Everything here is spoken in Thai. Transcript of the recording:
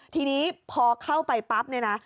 ทีนี้พอเข้าไปปั๊บเนี่ยนะ